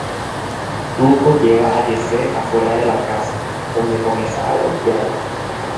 Tuco lleva a Jesse afuera de la casa, donde comienza a golpearlo.